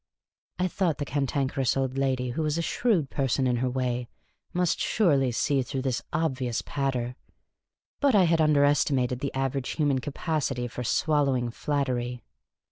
I thought the Cantankerous Old Lady, who was a shrewd person in her way, must surely see through this obvious patter ; but I had under estimated the average human capacity for swallowing flattery.